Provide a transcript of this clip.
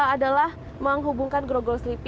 adalah menghubungkan grogol selipi